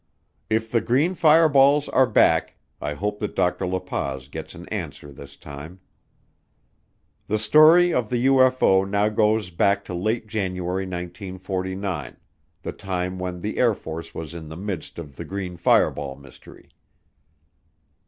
If the green fireballs are back, I hope that Dr. La Paz gets an answer this time. The story of the UFO now goes back to late January 1949, the time when the Air Force was in the midst of the green fireball mystery.